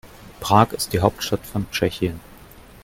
Prag ist die Hauptstadt von Tschechien.